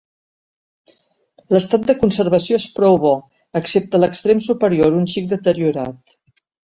L'estat de conservació és prou bo, excepte l'extrem superior, un xic deteriorat.